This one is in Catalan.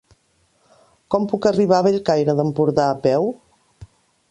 Com puc arribar a Bellcaire d'Empordà a peu?